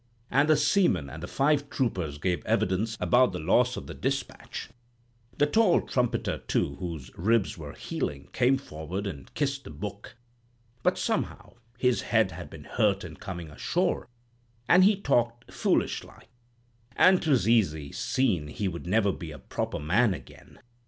And the seaman and the five troopers gave evidence about the loss of the 'Despatch,' The tall trumpeter, too, whose ribs were healing, came forward and kissed the book; but somehow his head had been hurt in coming ashore, and he talked foolish like, and 'twas easy seen he would never be a proper man again.